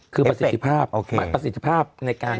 คือประสิทธิภาพประสิทธิภาพในการ